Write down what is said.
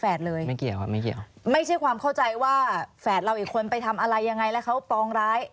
แต่ครึ่งไปทำอะไรยังไงแล้วเค้าตองร้าย